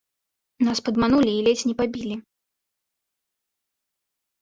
Нас падманулі і ледзь не пабілі.